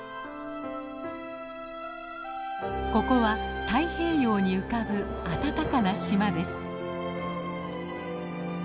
ここは太平洋に浮かぶ暖かな島です。